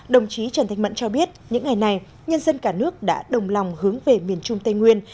đồng chí trần thanh mẫn cho biết những ngày này nhân dân cả nước đã đồng lòng hướng về miền trung tây nguyên